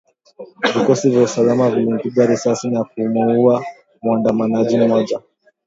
Vikosi vya usalama vilimpiga risasi na kumuuwa muandamanaji mmoja